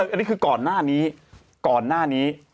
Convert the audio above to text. อันนี้คือก่อนหน้านี้